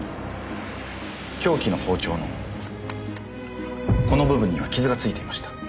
凶器の包丁のこの部分には傷がついていました。